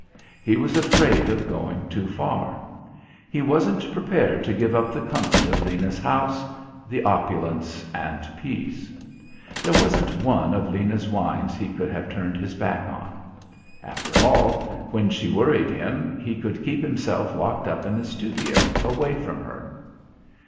He was afraid of going too far. He wasn't prepared to give up the comfort of Lena's house, the opulence and peace. There wasn't one of Lena's wines he could have turned his back on. After all, when she worried him he could keep himself locked up in the studio away from her.